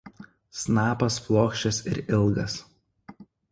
Snapas plokščias ir ilgas.